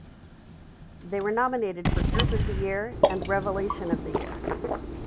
They were nominated for Group of the year, and Revelation of the year.